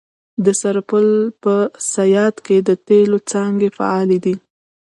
د سرپل په صیاد کې د تیلو څاګانې فعالې دي.